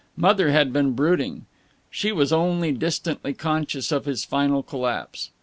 Mother had been brooding. She was only distantly conscious of his final collapse.